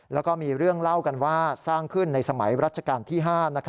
แล้วก็มีเรื่องเล่ากันว่าสร้างขึ้นในสมัยรัชกาลที่๕